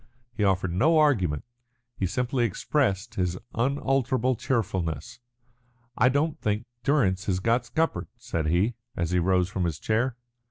He offered no argument he simply expressed again his unalterable cheerfulness. "I don't think Durrance has got scuppered," said he, as he rose from his chair.